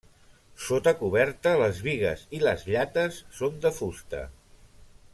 Sota coberta les bigues i les llates són de fusta.